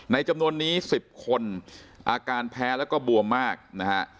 จำนวนนี้๑๐คนอาการแพ้แล้วก็บวมมากนะฮะ